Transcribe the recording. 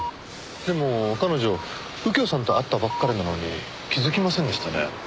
でも彼女右京さんと会ったばかりなのに気づきませんでしたね。